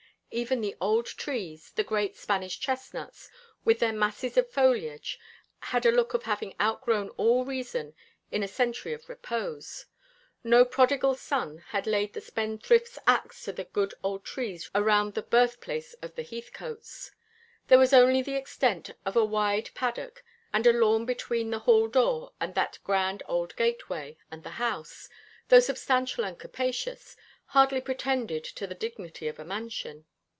Even the old trees, the great Spanish chestnuts, with their masses of foliage, had a look of having outgrown all reason in a century of repose. No prodigal son had laid the spendthrift's axe to the good old trees around the birthplace of the Heathcotes. There was only the extent of a wide paddock and a lawn between the hall door and that grand old gateway, and the house, though substantial and capacious, hardly pretended to the dignity of a mansion.